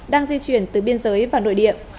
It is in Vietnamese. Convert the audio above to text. đang di chuyển từ biên giới vào nội địa